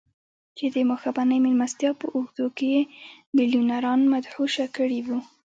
چې د ماښامنۍ مېلمستیا په اوږدو کې يې ميليونران مدهوشه کړي وو.